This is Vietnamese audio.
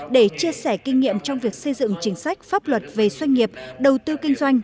để chia sẻ kinh nghiệm trong việc xây dựng chính sách pháp luật về doanh nghiệp đầu tư kinh doanh